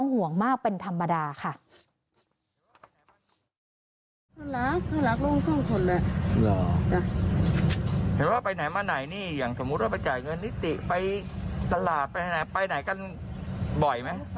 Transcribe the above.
เห็นว่าไปไหนมาไหนนี่อย่างสมมุติว่าไปจ่ายเงินนิติไปตลาดไปไหนไปไหนกันบ่อยไหม